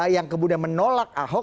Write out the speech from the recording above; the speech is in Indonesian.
yang kemudian menolak ahok